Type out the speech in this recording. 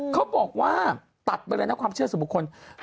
เขาบอกว่าตัดไปเลยนะความเชื่อสุขภูมิขน